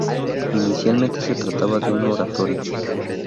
Inicialmente se trataba de un oratorio.